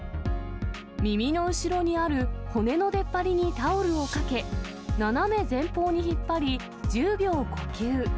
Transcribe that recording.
耳の後ろにある骨の出っ張りにタオルをかけ、斜め前方に引っ張り、１０秒呼吸。